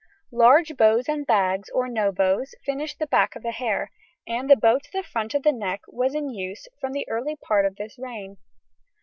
Large bows and bags, or no bows, finished the back hair, and the bow to the front of the neck was in use from the early part of this reign.